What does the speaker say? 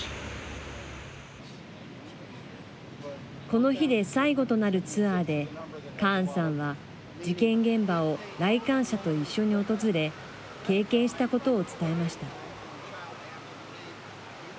この日で最後となるツアーでカーンさんは事件現場を来館者と一緒に訪れ経験したことを伝えました。